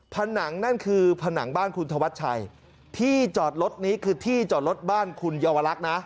ผนังนั่นคือผนังบ้านคุณธวัชชัยที่จอดรถนี้คือที่จอดรถบ้านคุณเยาวลักษณ์นะ